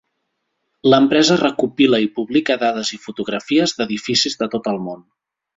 L'empresa recopila i publica dades i fotografies d'edificis de tot el món.